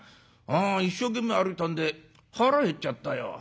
一生懸命歩いたんで腹減っちゃったよ。